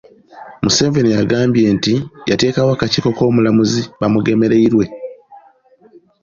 Museveni agambye nti yateekawo akakiiko k’Omulamuzi Bamugemereirwe.